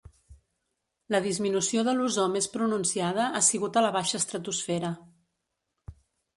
La disminució de l'ozó més pronunciada ha sigut a la baixa estratosfera.